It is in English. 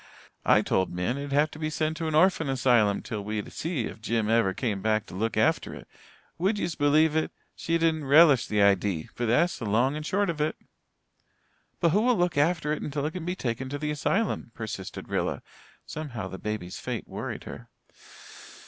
I told Min it'd have to be sent to an orphan asylum till we'd see if Jim ever came back to look after it. Would yez believe it, she didn't relish the idee. But that's the long and short of it." "But who will look after it until it can be taken to the asylum?" persisted Rilla. Somehow the baby's fate worried her.